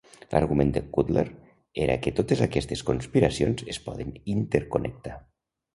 L'argument de Cutler era que totes aquestes conspiracions es poden interconnectar.